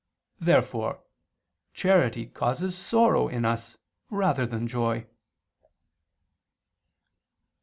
Therefore charity causes sorrow in us rather than joy.